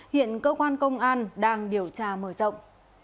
hiện cơ quan công an đang điều tra mở rộng